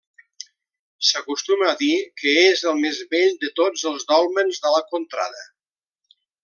S'acostuma a dir que és el més bell de tots els dòlmens de la contrada.